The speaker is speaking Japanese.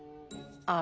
ああ！